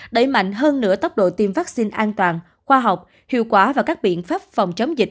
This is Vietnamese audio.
đẩy mạnh hơn nữa tốc độ tiêm vaccine an toàn khoa học hiệu quả và các biện pháp phòng chống dịch